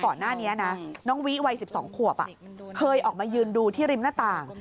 ก่อนหน้านี้นะน้องวิวัย๑๒ขวบเคยออกมายืนดูที่ริมหน้าต่าง